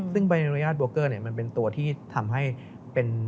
ซึ่งใบอนุญาตโบเกอร์มันเป็นตัวที่ทำให้เป็น